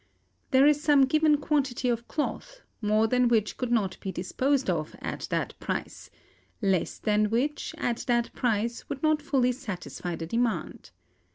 There is some given quantity of cloth, more than which could not be disposed of at that price; less than which, at that price, would not fully satisfy the demand.